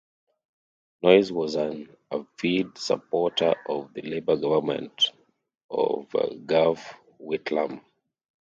Noyce was an avid supporter of the Labor government of Gough Whitlam.